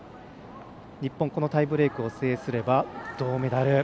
日本、このタイブレークを制すれば銅メダル。